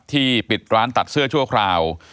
ปิดร้านตัดเสื้อชั่วคราว